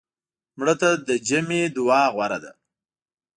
مړه ته د جمعې دعا غوره ده